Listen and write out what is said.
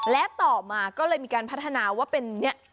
และต่อมาก็เลยมีการพัฒนาว่าเป็นเนี่ย